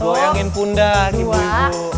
goyangin pundak ibu ibu